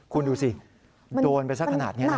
คุณดูสิโดนไปสักขนาดนี้นะ